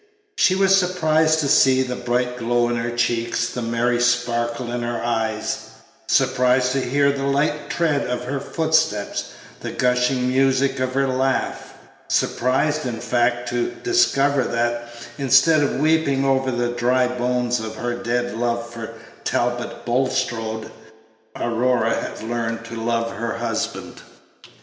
She was surprised to see the bright glow in her cheeks, the merry sparkle in her eyes surprised to hear the light tread of her footstep, the gushing music of her laugh surprised, in fact, to discover that, instead of weeping over the dry bones of her dead love for Talbot Bulstrode, Aurora had learned to love her husband.